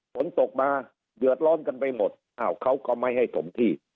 ฝนตกมาเดือดร้อนกันไปหมดอ้าวเขาก็ไม่ให้สมที่